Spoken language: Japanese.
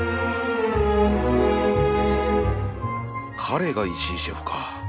彼が石井シェフか